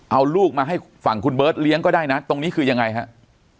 เอาลูกมาให้ฝั่งคุณเบิร์ตเลี้ยงก็ได้นะตรงนี้คือยังไงครับ